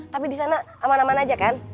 tapi disana aman aman aja kan